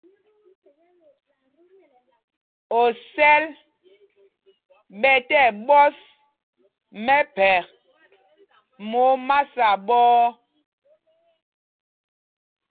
Osɛl ɓɛ̄ tí ɛɓɔ́s mɛphɛk mɛ omasa ɓɔ̄ɔ̄.